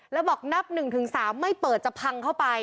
แล้วบอกนับหนึ่งถึงสามไม่เปิดจะพังเข้าไป